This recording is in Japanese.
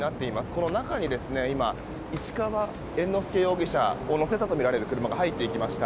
この中に、市川猿之助容疑者を乗せたとみられる車が入っていきました。